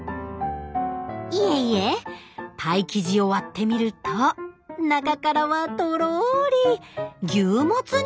⁉いえいえパイ生地を割ってみると中からはとろり牛モツ煮込み。